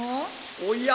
・おや？